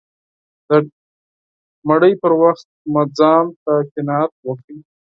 د ډوډۍ پر وخت مې ځان ته قناعت ورکړ